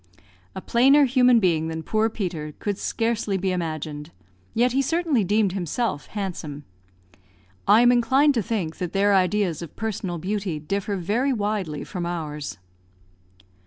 A plainer human being than poor Peter could scarcely be imagined; yet he certainly deemed himself handsome. I am inclined to think that their ideas of personal beauty differ very widely from ours.